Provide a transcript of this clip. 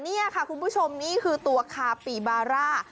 นี่ค่ะคุณผู้ชมนี่คือตัวคาปีบาร่า